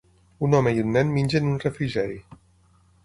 Un home i un nen mengen un refrigeri.